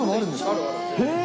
あるある。